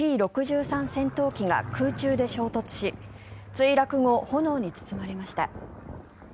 戦闘機が空中で衝突し墜落後、炎に包まれました。